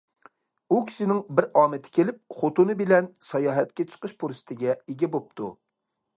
ئۇ كىشىنىڭ بىر ئامىتى كېلىپ خوتۇنى بىلەن ساياھەتكە چىقىش پۇرسىتىگە ئىگە بوپتۇ.